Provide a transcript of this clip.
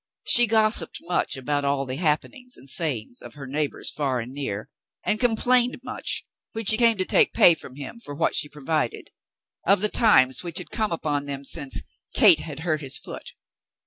She gossiped much about all the happenings and sayings of her neighbors far and near, and com plained much, when she came to take pay from him for what she provided, of the times which had come upon them since *'Cate had hurt his foot."